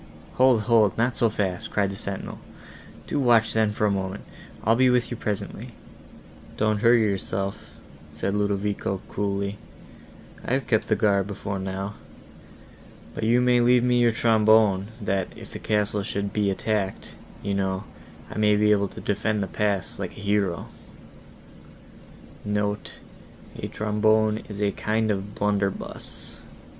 "Hold, hold, not so fast," cried the sentinel, "do watch then, for a moment: I'll be with you presently." "Don't hurry yourself," said Ludovico, coolly, "I have kept guard before now. But you may leave me your trombone,* that, if the castle should be attacked, you know, I may be able to defend the pass, like a hero." (*Note: A kind of blunderbuss.